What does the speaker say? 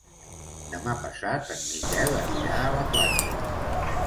Demà passat en Miquel anirà a la platja.